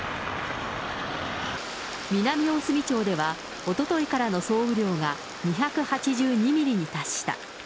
南大隅町では、おとといからの総雨量が２８２ミリに達した。